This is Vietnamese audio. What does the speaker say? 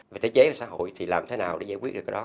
về thể chế và xã hội thì làm thế nào để giải quyết được cái đó